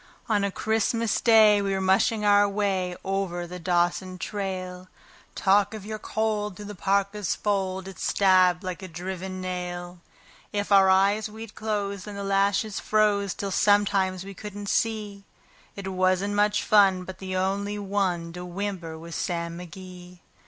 On a Christmas Day we were mushing our way over the Dawson trail. Talk of your cold! through the parka's fold it stabbed like a driven nail. If our eyes we'd close, then the lashes froze till sometimes we couldn't see; It wasn't much fun, but the only one to whimper was Sam McGee.